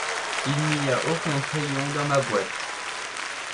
Il n'y a aucun crayon dans ma boîte.